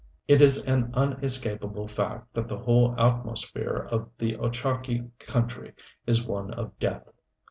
It is an unescapable fact that the whole atmosphere of the Ochakee country is one of death.